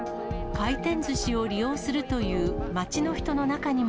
回転ずしを利用するという街の人の中にも。